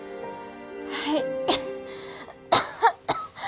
はい。